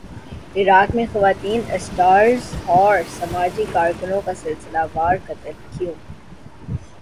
عراق میں خواتین اسٹارز اور سماجی کارکنوں کا سلسلہ وار قتل کیوں